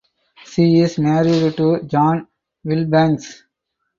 She is married to John Wilbanks.